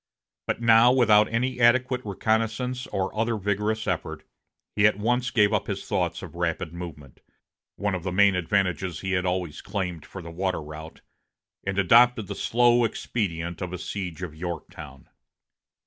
But now, without any adequate reconnaissance or other vigorous effort, he at once gave up his thoughts of rapid movement, one of the main advantages he had always claimed for the water route, and adopted the slow expedient of a siege of Yorktown.